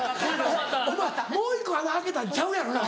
お前もう１個穴開けたんちゃうやろな？